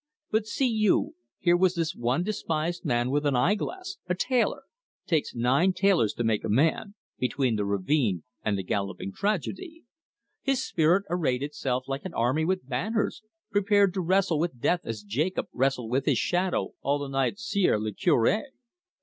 But see you, here was this one despised man with an eye glass, a tailor takes nine tailors to make a man! between the ravine and the galloping tragedy. His spirit arrayed itself like an army with banners, prepared to wrestle with death as Jacob wrestled with his shadow all the night 'sieur le Cure!"